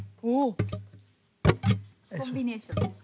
コンビネーションです。